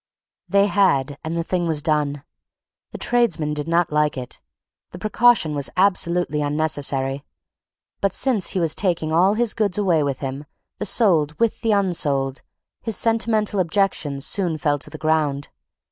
They had; and the thing was done. The tradesman did not like it; the precaution was absolutely unnecessary; but since he was taking all his goods away with him, the sold with the unsold, his sentimental objections soon fell to the ground.